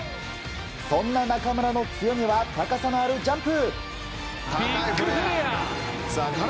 そんな中村の強みは高さのあるジャンプ。